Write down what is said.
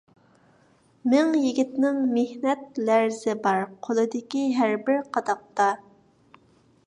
مىڭ يىگىتنىڭ مېھنەت لەرزى بار، قولىدىكى ھەربىر قاداقتا.